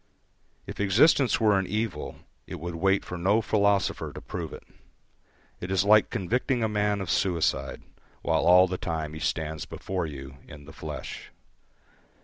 If existence were an evil, it would wait for no philosopher to prove it. It is like convicting a man of suicide, while all the time he stands before you in the flesh.